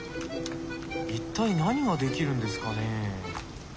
一体何が出来るんですかね。